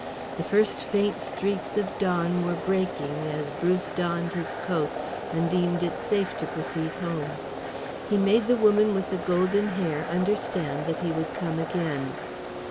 The first faint streaks of dawn were breaking as Bruce donned his coat and deemed it safe to proceed home. He made the woman with the golden hair understand that he would come again.